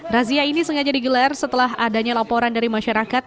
razia ini sengaja digelar setelah adanya laporan dari masyarakat